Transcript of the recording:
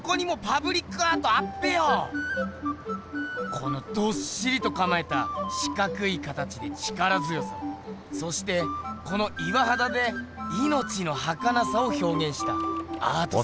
このどっしりとかまえた四角い形で力強さをそしてこの岩はだでいのちのはかなさをひょうげんしたアート作品。